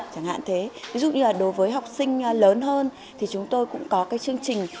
ví dụ như đối với học sinh lớn hơn thì chúng tôi cũng có chương trình